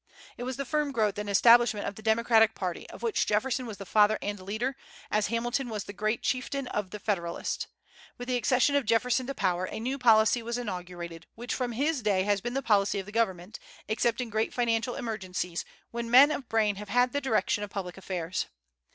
It was the firm growth and establishment of the Democratic party, of which Jefferson was the father and leader, as Hamilton was the great chieftain of the Federalist. With the accession of Jefferson to power, a new policy was inaugurated, which from his day has been the policy of the government, except in great financial emergencies when men of brain have had the direction of public affairs.